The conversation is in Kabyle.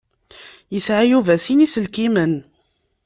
Yesεa Yuba sin iselkimen.